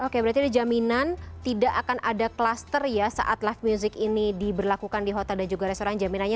oke berarti ada jaminan tidak akan ada kluster ya saat live music ini diberlakukan di hotel dan juga restoran jaminannya